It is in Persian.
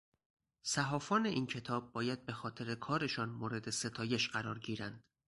صحافان این کتاب باید بهخاطر کارشان مورد ستایش قرار گیرند.